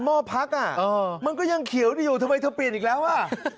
ห้อพักอ่ะมันก็ยังเขียวนี่อยู่ทำไมเธอเปลี่ยนอีกแล้วอ่ะ